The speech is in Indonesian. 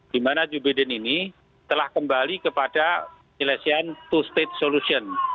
di mana joe biden ini telah kembali kepada penyelesaian to state solution